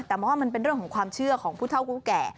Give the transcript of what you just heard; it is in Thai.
แต่มองว่ามันเป็นเรื่องของความเชื่อของผู้เท่าผู้แก่